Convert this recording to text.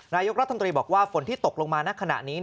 นายกรัฐมนตรีบอกว่าฝนที่ตกลงมาณขณะนี้